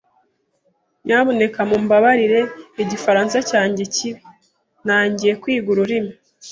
Nyamuneka mumbabarire igifaransa cyanjye kibi. Ntangiye kwiga ururimi.